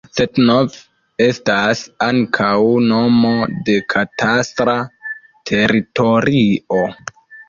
Cetnov estas ankaŭ nomo de katastra teritorio.